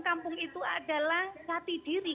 kampung itu adalah jati diri